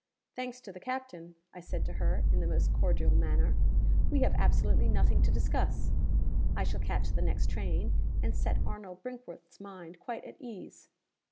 'Thanks to the captain,' I said to her, in the most cordial manner, 'we have absolutely nothing to discuss. I shall catch the next train, and set Arnold Brinkworth's mind quite at ease.